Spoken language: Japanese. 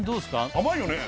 甘いよね？